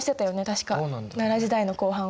確か奈良時代の後半は。